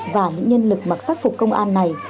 và những nhân lực mặc sát phục công an này